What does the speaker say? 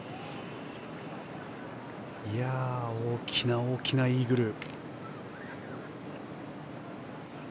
大きな大きなイーグル。